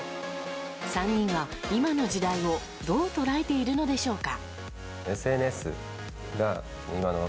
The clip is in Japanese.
３人は今の時代をどう捉えているのでしょうか。